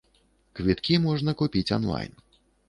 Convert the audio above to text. Квіткі можна купіць анлайн.